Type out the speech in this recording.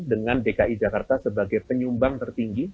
dengan dki jakarta sebagai penyumbang tertinggi